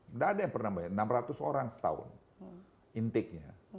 tidak ada yang pernah bayangin enam ratus orang setahun intiknya